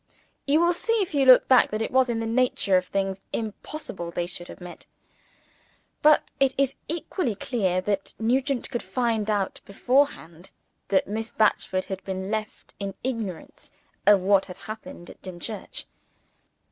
You will see, if you look back, that it was, in the nature of things, impossible they should have met. But is it equally clear that Nugent could find out beforehand that Miss Batchford had been left in ignorance of what had happened at Dimchurch?